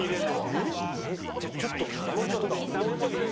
えっ？じゃあちょっとダメ元で。